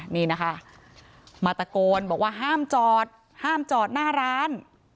นี่นะคะมาตะโกนบอกว่าห้ามจอดห้ามจอดหน้าร้าน